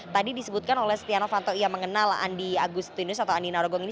tadi disebutkan oleh setia novanto ia mengenal andi agustinus atau andi narogong ini